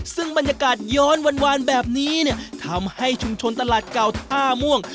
ซึ่งบรรยากาศย้อนวานแบบนี้เนี่ยทำให้ชุมชนตลาดเก่าท่าม่วง